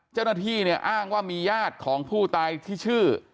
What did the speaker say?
เจ้าหน้าที่เนี่ยอ้างว่ามีญาติของผู้ตายที่ชื่อ